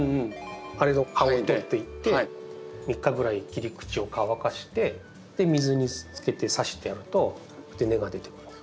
あれの葉を取っていって３日ぐらい切り口を乾かして水につけてさしてやると根が出てくるんです。